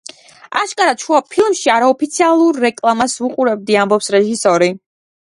აშკარად შუა ფილმში არაოფიციალურ რეკლამას ვუყურებდი – ამბობს რეჟისორი.